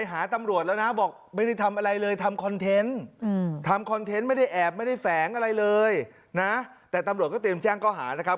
เห็นไม่ได้แอบไม่ได้แฝงอะไรเลยนะแต่ตำรวจก็เตรียมแจ้งข้อหานะครับ